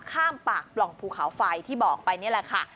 ข้ามปากปล่องภูเขาไฟที่บอกไปนี่แหละค่ะ